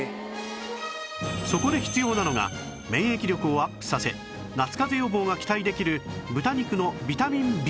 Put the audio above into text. そこで必要なのが免疫力をアップさせ夏かぜ予防が期待できる豚肉のビタミン Ｂ１